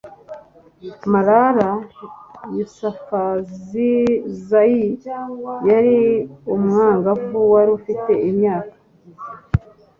malala yusafuzayi yari umwangavu wari ufite imyaka